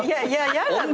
嫌なの？